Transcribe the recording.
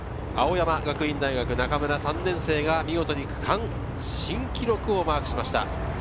青山学院大学・中村３年生が区間新記録をマークしました。